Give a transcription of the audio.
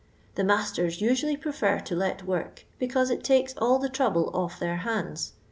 The masters usually prefer to let work, because it takes all the trouble off their hands.